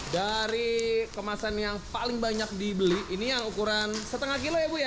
dari kemasan yang paling banyak dibeli ini yang ukuran setengah kilo ya bu ya